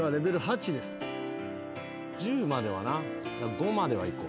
５まではいこう。